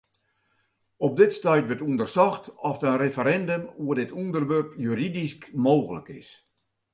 Op dit stuit wurdt ûndersocht oft in referindum oer dit ûnderwerp juridysk mooglik is.